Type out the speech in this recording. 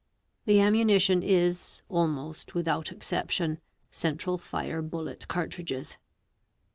The ammunition is, almost without exception, central fire bullet cartridges.